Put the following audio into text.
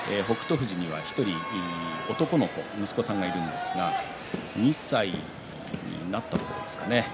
富士には１人男の子、息子さんがいるんですが２歳になったところですかね。